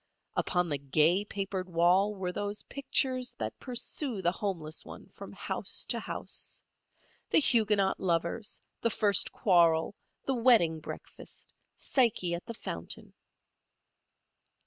Upon the gay papered wall were those pictures that pursue the homeless one from house to house—The Huguenot Lovers, The First Quarrel, The Wedding Breakfast, Psyche at the Fountain.